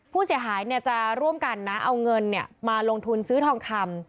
ผู้เสียหายจะร่วมกันนะเอาเงินมาลงทุนซื้อทองคำ